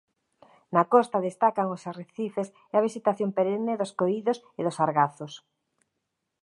Na costa destacan os arrecifes e a vexetación perenne dos coídos e dos argazos.